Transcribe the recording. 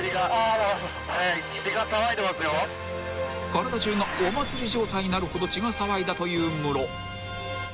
［体中がお祭り状態になるほど血が騒いだというムロ］